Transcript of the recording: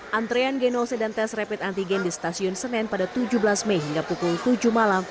hai antrean genose dan tes rapid antigen di stasiun senen pada tujuh belas mei hingga pukul tujuh malam